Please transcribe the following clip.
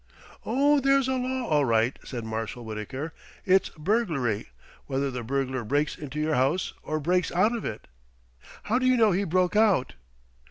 "Oh, there's a law all right," said Marshal Wittaker. "It's burglary, whether the burglar breaks into your house or breaks out of it. How do you know he broke out?"